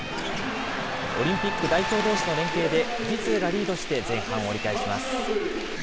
オリンピック代表どうしの連係で、富士通がリードして、前半を折り返します。